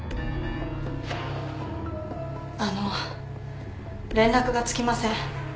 あの連絡がつきません。